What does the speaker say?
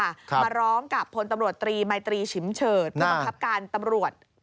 มาร้องกับผลตำรวจตรีไม้ตรีชิ้มเฉิด